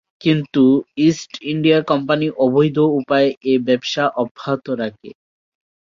কিন্তু East India Company অবৈধ উপায়ে এ ব্যবসা অব্যাহত রাখে।